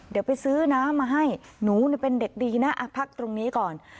เดี๋ยวไปซื้อน้ำมาให้หนูเป็นเด็กดีนะพักตรงนี้ก่อน